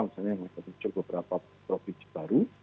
misalnya masih muncul beberapa provinsi baru